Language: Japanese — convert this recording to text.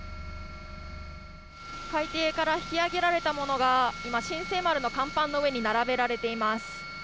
海底から引き揚げられたものが今「新世丸」の甲板の上に並べられています。